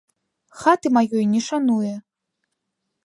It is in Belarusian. Хаты маёй не шануе.